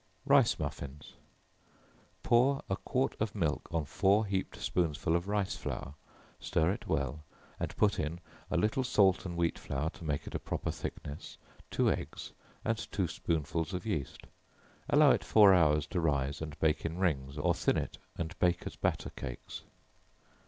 Rice Muffins. Pour a quart of milk on four heaped spoonsful of rice flour, stir it well, and put in a little salt and wheat flour, to make it a proper thickness, two eggs and two spoonsful of yeast, allow it four hours to rise, and bake in rings, or thin it and bake as batter cakes.